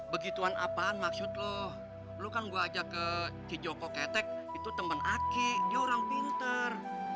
begituan apaan maksud lu lu kan gua ajak ke cik joko ketek itu temen aki dia orang pinter